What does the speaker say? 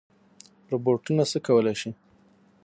روبوټونه څه کولی شي؟